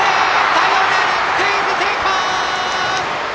サヨナラスクイズ成功！